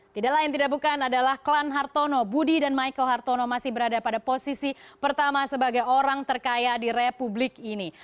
tidak lain tidak bukan adalah klan hartono budi dan michael hartono masih berada pada posisi pertama sebagai orang terkaya di republik ini